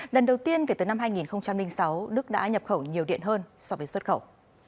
lần đầu tiên kể từ năm hai nghìn sáu đức đã nhập khẩu nhiều điện hơn so với xuất khẩu